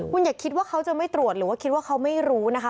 คุณอย่าคิดว่าเขาจะไม่ตรวจหรือว่าคิดว่าเขาไม่รู้นะคะ